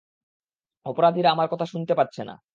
অপরাধীরা আমার কথা শুনতে পাচ্ছে না।